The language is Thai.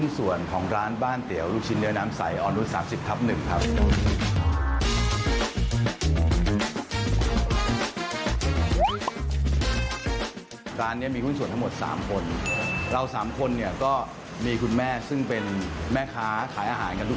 สวัสดีครับผมเอ็กม์ครับ